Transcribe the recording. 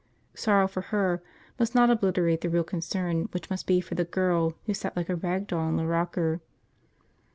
Sorrow for her must not obliterate the real concern, which must be for the girl who sat like a rag doll in the rocker.